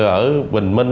ở bình minh